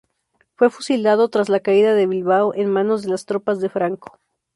Fue fusilado tras la caída de Bilbao en manos de las tropas de Franco.